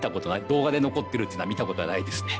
動画で残ってるっていうのは見たことはないですね。